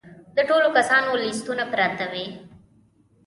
د ټولو کسانو لیستونه پراته وي.